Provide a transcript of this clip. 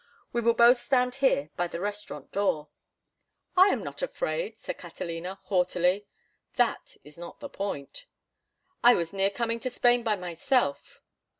We will both stand here by the restaurant door." "I am not afraid," said Catalina, haughtily. "That is not the point." "I was near coming to Spain by myself."